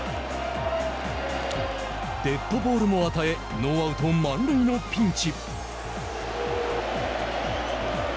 デッドボールも与えノーアウト、満塁のピンチ。